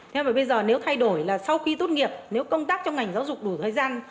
thế và bây giờ nếu thay đổi là sau khi tốt nghiệp nếu công tác trong ngành giáo dục đủ thời gian